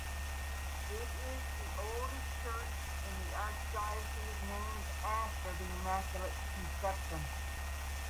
It is the oldest church in the archdiocese named after the Immaculate Conception.